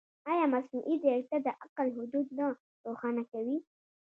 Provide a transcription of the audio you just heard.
ایا مصنوعي ځیرکتیا د عقل حدود نه روښانه کوي؟